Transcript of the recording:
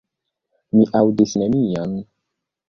Mi aŭdis nenion.